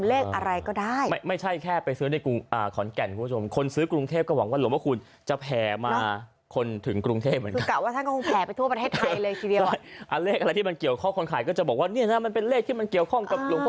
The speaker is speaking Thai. เลขอะไรก็ได้ไม่ไม่ใช่แค่ไปซื้อในกูงอ่าขอนแก่น